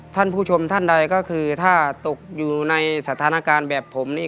ท่านผู้ชมท่านใดก็คือถ้าตกอยู่ในสถานการณ์แบบผมนี่